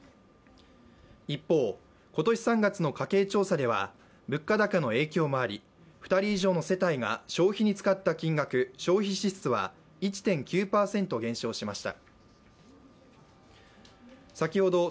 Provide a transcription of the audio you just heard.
一方、今年３月の家計調査では物価高の影響もあり２人以上の世帯が消費に使った金額消費支出は１．９％減少しました。